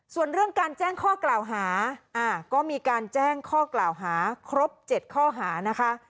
ส่วนเรื่องการแจ้งข้อกล่าวหาก็มีการแจ้งข้อกล่าวหาครบ๗ข้อหานะคะ